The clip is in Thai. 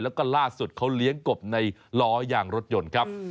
แล้วก็ล่าสุดเขาเลี้ยงกบในล้อยางรถยนต์ครับ